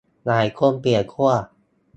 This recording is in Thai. หลายคนเปลี่ยนขั้ว